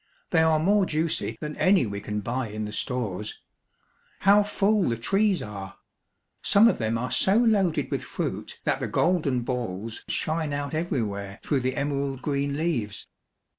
They are more juicy than any we can buy in the stores. How full the trees are! Some of them are so loaded with fruit that the golden balls shine out every where through the emerald green leaves.